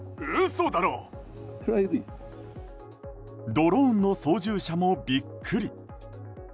ドローンの操縦者もビックリ。